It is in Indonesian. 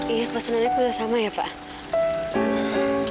iya pesannya bisa sama ya pak